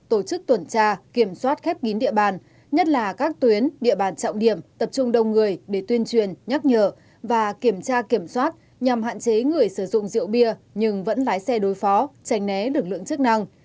tổ chức tuần tra kiểm soát khép kín địa bàn nhất là các tuyến địa bàn trọng điểm tập trung đông người để tuyên truyền nhắc nhở và kiểm tra kiểm soát nhằm hạn chế người sử dụng rượu bia nhưng vẫn lái xe đối phó tranh né lực lượng chức năng